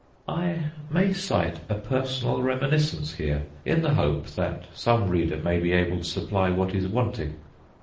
I may cite a personal reminiscence here, in the hope that some reader may be able to supply what is wanting.